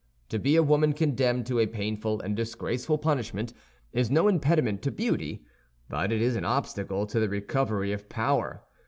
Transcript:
To be a woman condemned to a painful and disgraceful punishment is no impediment to beauty, but it is an obstacle to the recovery of power.